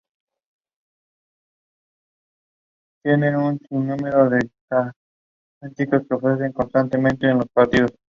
Siendo uno de los últimos territorios que ofrecieron resistencia ante la ocupación incaica.